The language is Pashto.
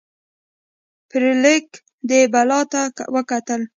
فلیریک دې بلا ته وکتل.